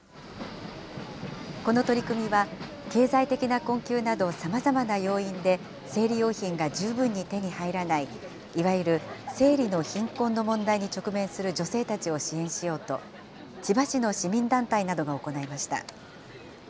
この取り組みは、経済的な困窮など、さまざまな要因で生理用品が十分に手に入らない、いわゆる生理の貧困の問題に直面する女性たちを支援しようと、千葉市の市民団体などが行いました。